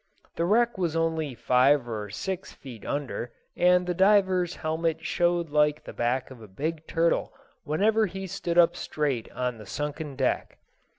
The wreck was only five or six feet under, and the diver's helmet showed like the back of a big turtle whenever he stood up straight on the sunken deck.